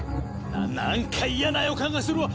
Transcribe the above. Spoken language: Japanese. ななんか嫌な予感がするわ。